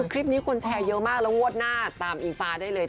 คลิปนี้คนแชร์เยอะมากแล้วงวดหน้าตามอิงฟ้าได้เลย